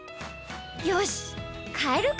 よしかえるか。